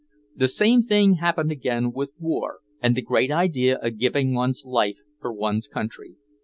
The same thing happened again with war and the great idea of giving one's life for one's country.